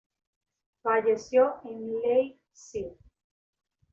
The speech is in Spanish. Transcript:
Falleció en Leipzig.